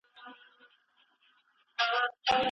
په سمینارونو کي مهم معلومات وړاندي کېږي.